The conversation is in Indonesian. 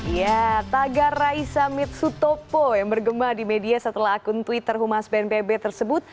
ya tagar raisa mitsutopo yang bergema di media setelah akun twitter humas bnpb tersebut